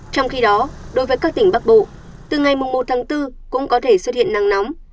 trong khi đó đối với các tỉnh bắc bộ từ ngày một tháng bốn cũng có thể xuất hiện nắng nóng